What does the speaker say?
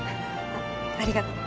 ありがとう。